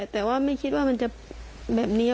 แต่ว่าไม่คิดว่ามันจะแบบนี้